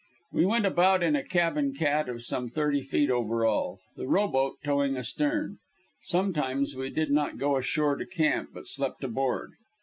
We went about in a cabin cat of some thirty feet over all, the rowboat towing astern. Sometimes we did not go ashore to camp, but slept aboard.